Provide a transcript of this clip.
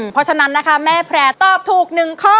เพราะฉะนั้นนะคะแม่แพร่ตอบถูก๑ข้อ